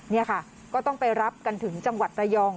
นี่ค่ะก็ต้องไปรับกันถึงจังหวัดระยอง